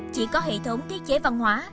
chỉ có hệ thống thiết chế văn hóa